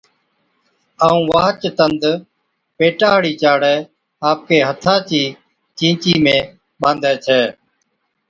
ائُون واھچ تند پيٽا ھاڙِي چاڙَي آپڪِي ھٿا چِي چِيچي ۾ ٻانڌَي ڇَي